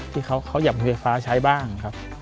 ที่เขาอยากมีไฟฟ้าใช้บ้างครับ